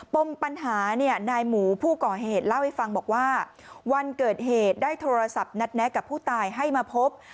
ปมปัญหาเนี่ยนายหมูผู้ก่อเหตุเล่าให้ฟังบอกว่าวันเกิดเหตุได้โทรศัพท์นัดแนะกับผู้ตายให้มาพบ